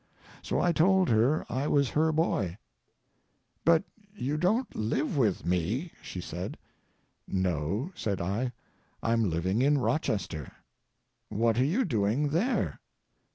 So I told her I was her boy. "But you don't live with me," she said. "No," said I, "I'm living in Rochester." "What are you doing there?"